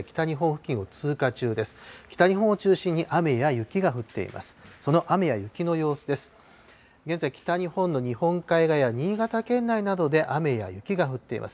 北日本を中心に雨や雪が降っています。